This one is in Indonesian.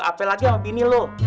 apel aja sama bini lo